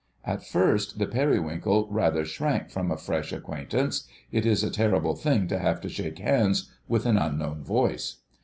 At first the Periwinkle rather shrank from a fresh acquaintance—it is a terrible thing to have to shake hands with an unknown voice.